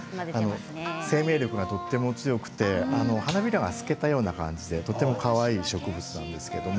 生命力がとっても強くて花びらが透けたような感じでとてもかわいい植物です。